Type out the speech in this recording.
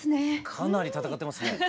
かなり戦ってますね。